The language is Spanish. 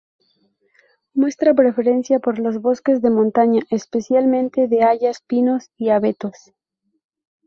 Muestra preferencia por los bosques de montaña, especialmente de hayas, pinos y abetos.